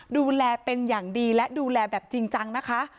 ดูแลเป็นอย่างดีและดูแลแบบจริงจังนะคะ